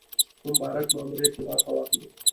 په مبارک ماموریت کې برخه واخلي.